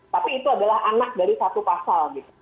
tapi itu adalah anak dari satu pasal